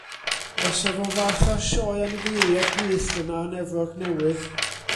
Fasa fo fath â'r sioe anifeiliaid gwyllt yna yn Efrog unwaith.